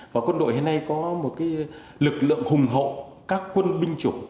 và quân đội hôm nay có một lực lượng hùng hộ các quân binh chủng